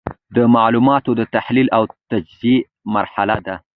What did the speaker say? دا د معلوماتو د تحلیل او تجزیې مرحله ده.